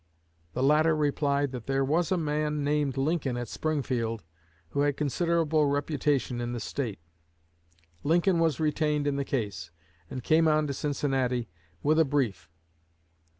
The latter replied that "there was a man named Lincoln at Springfield, who had considerable reputation in the State." Lincoln was retained in the case, and came on to Cincinnati with a brief.